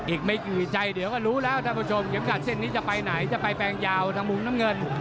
อีกไม่กี่ใจเดี๋ยวก็รู้แล้วท่านผู้ชมเข็มขัดเส้นนี้จะไปไหนจะไปแปลงยาวทางมุมน้ำเงิน